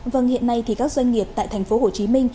vâng hiện nay thì các doanh nghiệp tại tp hcm